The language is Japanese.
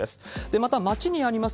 また町にあります